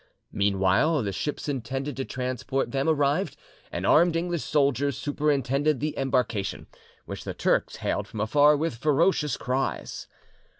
Meanwhile, the ships intended to transport them arrived, and armed English soldiers superintended the embarkation, which the Turks hailed from afar with, ferocious cries.